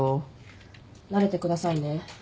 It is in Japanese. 慣れてくださいね。